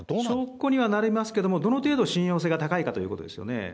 証拠にはなりますけど、どの程度、信用性が高いかということですよね。